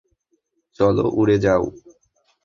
চলো, উড়ে যাও!